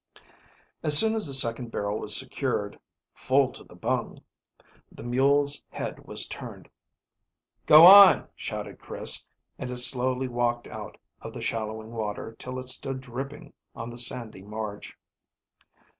As soon as the second barrel was secured, "full to the bung," the mule's head was turned. "Go on!" shouted Chris, and it slowly walked out of the shallowing water, till it stood dripping on the sandy marge.